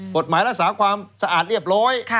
กฎหมายรักษาความสะอาดเรียบร้อย